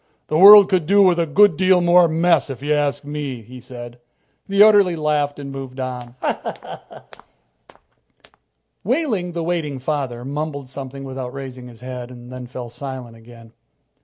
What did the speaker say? "The world could do with a good deal more mess, if you ask me," he said. The orderly laughed and moved on. Wehling, the waiting father, mumbled something without raising his head. And then he fell silent again.